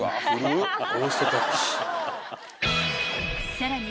［さらに］